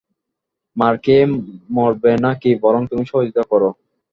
মার খেয়ে মরবে না-কি, বরং তুমি সহযোগিতা করো।